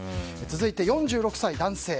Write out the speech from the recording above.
続いて、４６歳男性。